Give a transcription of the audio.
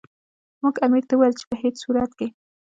موږ امیر ته وویل چې په هیڅ صورت کې.